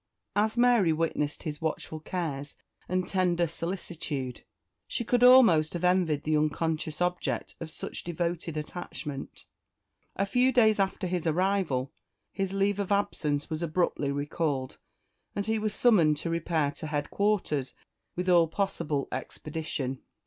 As Mary witnessed his watchful cares and tender solicitude, she could almost have envied the unconscious object of such devoted attachment. A few days after his arrival his leave of absence was abruptly recalled, and he was summoned to repair to headquarters with all possible expedition.